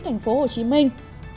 thành phố hồ chí minh